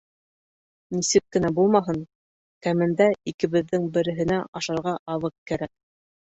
Нисек кенә булмаһын, кәмендә икебеҙҙең береһенә ашарға аҙыҡ кәрәк.